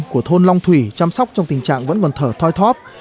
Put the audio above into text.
của thôn long thủy chăm sóc trong tình trạng vẫn còn thở thoi thóp